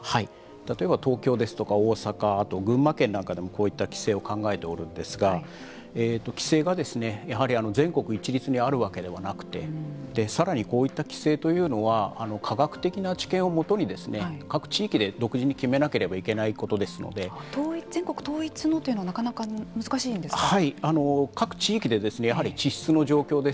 例えば、東京ですとか大阪あと群馬県でもこういった規制を考えておるのですが規制が、やはり全国一律にあるわけではなくてさらにこういった規制というのは科学的な知見をもとに各地域で独自に決めなければ全国統一のというのはなかなか難しいんですか。